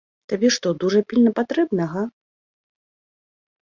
Табе што, дужа пільна патрэбна, га?